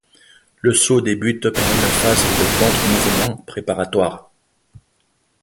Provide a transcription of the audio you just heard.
Le saut débute par une phase de contre-mouvements préparatoires.